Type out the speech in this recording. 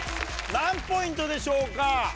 何ポイントでしょうか？